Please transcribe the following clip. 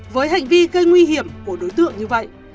với hành vi gây nguy hiểm của đối tượng như vậy